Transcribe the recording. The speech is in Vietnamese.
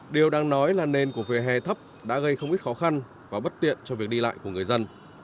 điều đang nói là nền của vỉa hè thấp đã gây không ít khó khăn và bất tiện cho việc đi lại của người dân